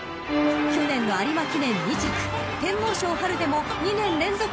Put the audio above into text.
［去年の有馬記念２着天皇賞でも２年連続の２着